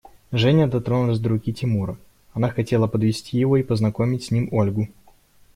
Женя дотронулась до руки Тимура: она хотела подвести его и познакомить с ним Ольгу.